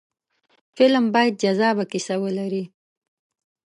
فلم باید جذابه کیسه ولري